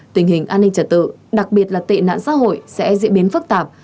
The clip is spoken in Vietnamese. tình hình an ninh trật tự đặc biệt là tệ nạn xã hội sẽ diễn biến phức tạp